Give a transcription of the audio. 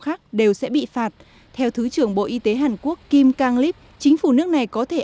khác đều sẽ bị phạt theo thứ trưởng bộ y tế hàn quốc kim kang lip chính phủ nước này có thể